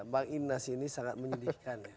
bang inas ini sangat menyedihkan ya